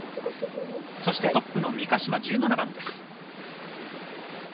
トップの三ヶ島、１７番です。